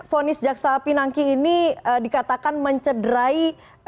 fonis jaksa pinangki ini dikatakan mencederai